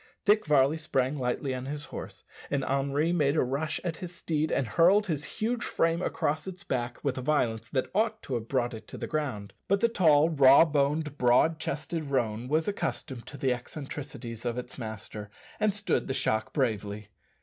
Dick Varley sprang lightly on his horse, and Henri made a rush at his steed and hurled his huge frame across its back with a violence that ought to have brought it to the ground; but the tall, raw boned, broad chested roan was accustomed to the eccentricities of its master, and stood the shock bravely.